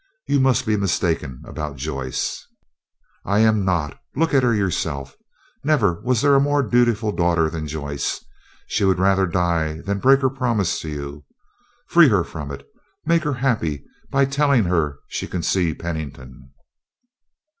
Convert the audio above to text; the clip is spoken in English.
You must be mistaken about Joyce." "I am not; look at her yourself. Never was there a more dutiful daughter than Joyce. She would rather die than break her promise to you. Free her from it. Make her happy by telling her she can see Pennington."